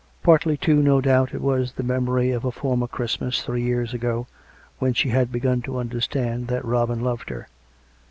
Partly, too, no doubt, it was the memory of a former Christmas, three years ago, when she had begun to understand that Robin loved her.